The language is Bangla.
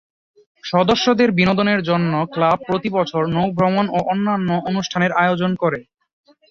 সদস্যদের বিনোদনের জন্য ক্লাব প্রতিবছর নৌভ্রমণ ও অন্যান্য অনুষ্ঠানের আয়োজন করে।